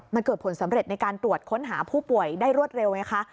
มันเกิดผลสำเร็จในการตรวจค้นหาผู้ป่วยได้รวดเร็วไงคะ